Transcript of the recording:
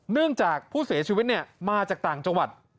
เนื่องจากผู้เสียชีวิตมาจากต่างจังหวัด